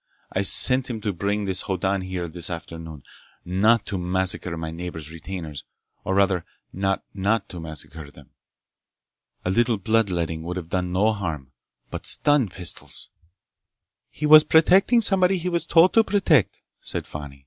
I sent him to bring this Hoddan here this afternoon, not to massacre my neighbors' retainers—or rather, not to not massacre them. A little blood letting would have done no harm, but stun pistols—" "He was protecting somebody he was told to protect," said Fani.